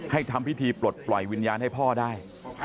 ทำพิธีปลดปล่อยวิญญาณให้พ่อได้